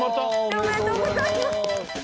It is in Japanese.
おめでとうございます。